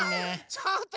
ちょっと！